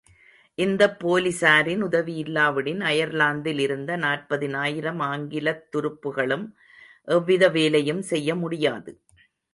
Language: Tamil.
இந்தப் போலிஸாரின் உதவி இல்லாவிடின் அயர்லாந்தில் இருந்த நாற்பதினாயிரம் ஆங்கிலத்துருப்புகளும் எவ்வித வேலையும் செய்யமுடியாது.